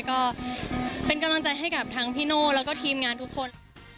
ก็เป็นกำลังใจให้กับทั้งพี่โน่แล้วก็ทีมงานทุกคน